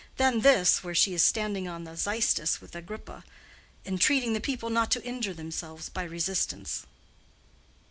Then, this, where she is standing on the Xystus with Agrippa, entreating the people not to injure themselves by resistance."